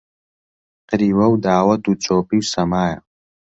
قریوە و داوەت و چۆپی و سەمایە